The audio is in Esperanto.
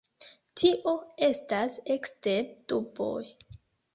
Tio estas ekster duboj.